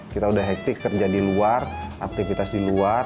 kita udah hektik kerja di luar aktivitas di luar